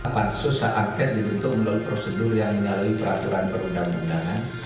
pansus hak angket dibentuk melalui prosedur yang menyalui peraturan perundang undangan